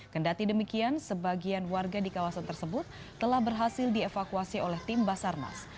kendati demikian sebagian warga di kawasan tersebut telah berhasil dievakuasi oleh tim basarnas